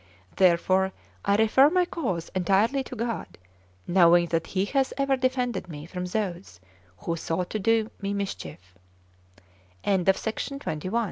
Therefore, I refer my cause entirely to God, knowing that He hath ever defended me from those who sought to do me mischief. Note 1. 'Scudi di moneta,' not 'd'oro.' Note 2.